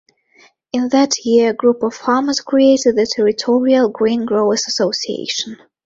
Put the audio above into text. In that year a group of farmers created the Territorial Grain Growers' Association.